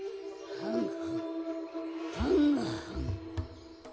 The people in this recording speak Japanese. はんはんはんはん。